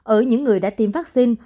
ở những người đã tiêm vaccine